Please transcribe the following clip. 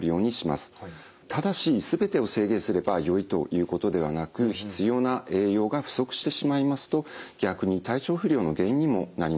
ただし全てを制限すればよいということではなく必要な栄養が不足してしまいますと逆に体調不良の原因にもなります。